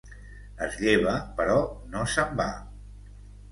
Es lleva però no se'n va.